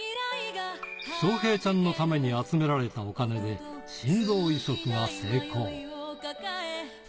翔平ちゃんのために集められたお金で心臓移植が成功。